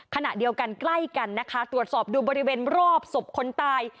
ขณะเดียวกันใกล้กันนะคะตรวจสอบดูบริเวณรอบศพคนตาย